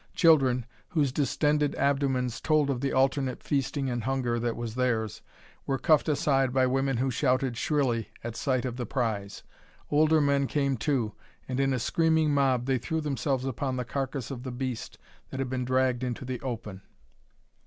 Children, whose distended abdomens told of the alternate feasting and hunger that was theirs, were cuffed aside by women who shouted shrilly at sight of the prize. Older men came, too, and in a screaming mob they threw themselves upon the carcass of the beast that had been dragged into the open.